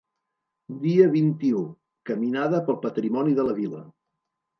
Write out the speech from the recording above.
Dia vint-i-u: caminada pel patrimoni de la vila.